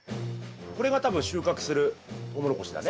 これが多分収穫するトウモロコシだね。